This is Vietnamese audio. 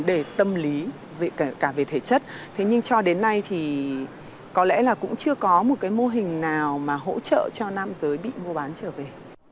đến nay thì có lẽ là cũng chưa có một cái mô hình nào mà hỗ trợ cho nam giới bị mua bán trở về